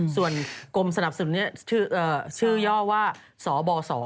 ส่วนกรมสนับสนุนนี้ชื่อย่อว่าสบส